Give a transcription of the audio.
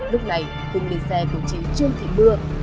lúc này hưng lên xe cổng trí trương thị mưa